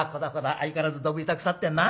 相変わらずどぶ板腐ってんな」。